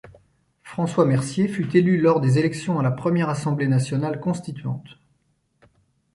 François Mercier fut élu lors des élections à la Première Assemblée nationale constituante.